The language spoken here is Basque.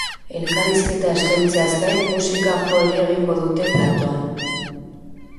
Elkarrizketa eskaintzeaz gain, musika jo ere egingo dute platoan.